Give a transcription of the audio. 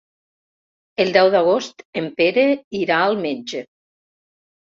El deu d'agost en Pere irà al metge.